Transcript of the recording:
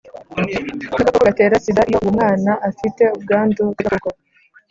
Bw agakoko gatera sida iyo uwo mwana afite ubwandu bw agakoko